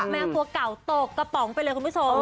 แมวตัวเก่าตกกระป๋องไปเลยคุณผู้ชม